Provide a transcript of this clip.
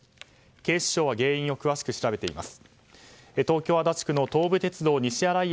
警視庁は原因を詳しく調べています。